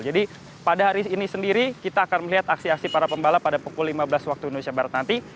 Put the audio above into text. jadi pada hari ini sendiri kita akan melihat aksi aksi para pembalap pada pukul lima belas waktu indonesia barat nanti